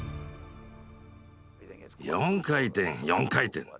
４回転４回転！